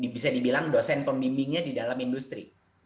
bisa dibilang dosen pembimbingnya di dalam industri